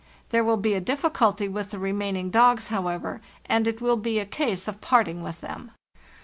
There will be a difficulty with the remaining dogs, however, and it will be a case of parting with them.